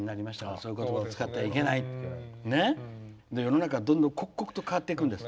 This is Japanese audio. そういうことばを使ってはいけないって世の中、どんどん刻々と変わっていくんです。